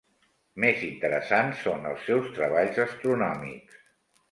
Més interessants són els seus treballs astronòmics.